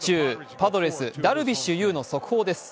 パドレス、ダルビッシュ有の速報です。